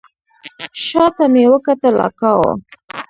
شا ته مې وکتل اکا و.